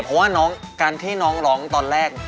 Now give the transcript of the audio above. เพราะว่าการที่น้องร้องตอนแรก